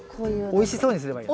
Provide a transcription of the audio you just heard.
おいしそうにすればいい。